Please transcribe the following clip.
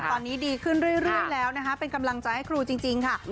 ตอนนี้ดีขึ้นเรื่อยแล้วนะคะเป็นกำลังใจให้ครูจริงค่ะ